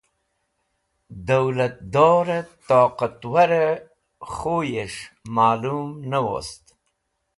Duwlat dorẽt toqatwarẽ khuyes̃h malum ne wost.